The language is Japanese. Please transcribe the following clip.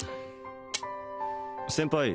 先輩